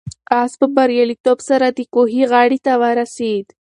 آس په پوره بریالیتوب سره د کوهي غاړې ته ورسېد.